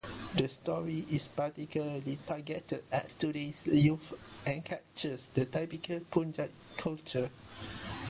The story is particularly targeted at today’s youth and captures the typical Punjab culture.